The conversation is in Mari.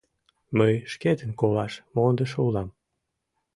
Мый шкетын колаш мондышо улам.